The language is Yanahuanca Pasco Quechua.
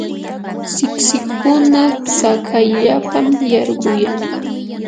siksikuna tsakayllapam yarquyan.